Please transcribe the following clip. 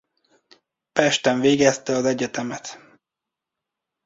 Pesten végezte az egyetemet.